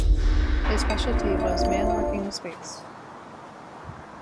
His specialty was "man working in space".